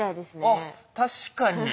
あっ確かに。